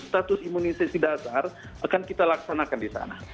status imunisasi dasar akan kita laksanakan di sana